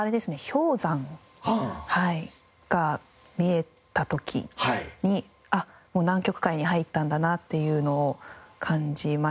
氷山が見えた時にあっもう南極海に入ったんだなっていうのを感じました。